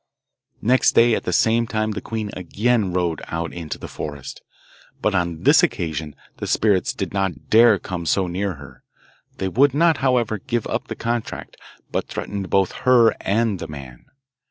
Next day at the same time the queen again rode out into the forest; but on this occasion the spirits did not dare to come so near her. They would not, however, give up the contract, but threatened both her and the man.